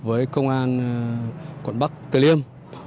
với công an quận bắc tây liêm